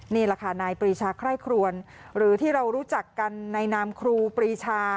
นี่แหละค่ะนายปรีชาไคร่ครวนหรือที่เรารู้จักกันในนามครูปรีชา